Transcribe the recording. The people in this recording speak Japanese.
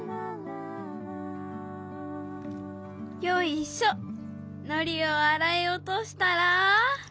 よいしょのりをあらいおとしたら。